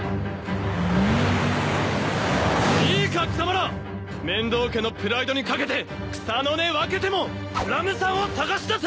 いいか貴様ら！面堂家のプライドに懸けて草の根分けてもラムさんを捜し出せ！